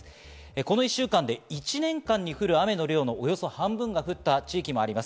この１週間で１年間に降る雨の量のおよそ半分が降った地域もあります。